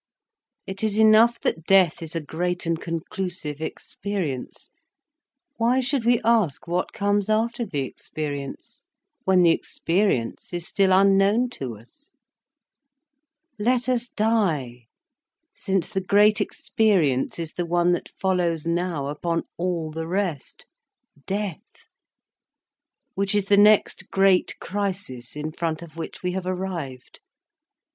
It is enough that death is a great and conclusive experience. Why should we ask what comes after the experience, when the experience is still unknown to us? Let us die, since the great experience is the one that follows now upon all the rest, death, which is the next great crisis in front of which we have arrived.